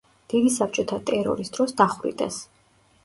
დიდი საბჭოთა ტერორის დროს დახვრიტეს.